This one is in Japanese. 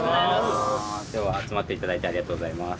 きょうは集まって頂いてありがとうございます。